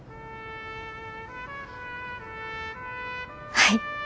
はい。